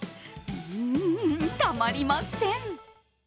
うーん、たまりません。